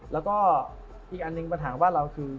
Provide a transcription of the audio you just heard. แล้วก็อีกอันจึงปัญหาของเราคือ